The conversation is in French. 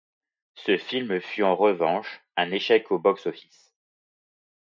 Ce film fut, en revanche, un échec au box office.